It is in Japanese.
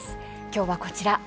今日はこちら。